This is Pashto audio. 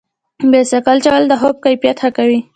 بایسکل چلول د خوب کیفیت ښه کوي.